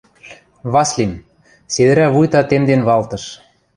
Васлим. седӹрӓ вуйта темден валтыш.